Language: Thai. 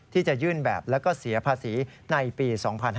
ที่จะยื่นแบบแล้วก็เสียภาษีในปี๒๕๕๙